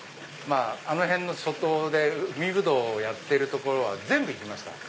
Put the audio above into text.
あの辺の諸島で海ぶどうをやってる所は全部行きました。